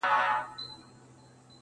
سترګي یې ډکي له فریاده په ژباړلو ارزي,